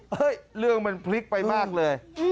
เรื่องมันพลิกไปมากเลย